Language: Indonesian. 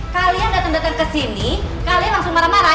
kalian dateng dateng kesini kalian langsung marah marah